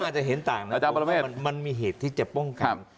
อาจจะเห็นต่างนะอาจารย์มันมีเหตุที่จะป้องกัน